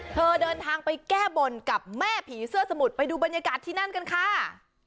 เดินทางไปแก้บนกับแม่ผีเสื้อสมุทรไปดูบรรยากาศที่นั่นกันค่ะ